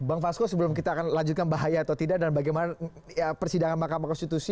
bang fasko sebelum kita akan lanjutkan bahaya atau tidak dan bagaimana persidangan mahkamah konstitusi